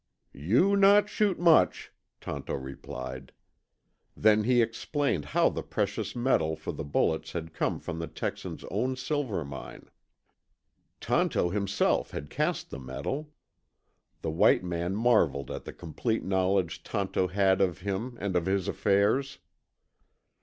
"You not shoot much," Tonto replied. Then he explained how the precious metal for the bullets had come from the Texan's own silver mine. Tonto himself had cast the metal. The white man marveled at the complete knowledge Tonto had of him and of his affairs.